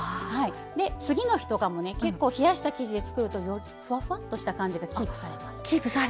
次の日とかも冷やした生地で作るとふわふわっとした感じがキープされます。